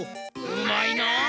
うまいな！